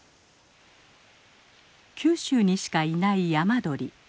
九州にしかいないヤマドリ。